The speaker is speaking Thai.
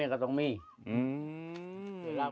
มะพร้าวอ่อนมะพร้าวอ่อน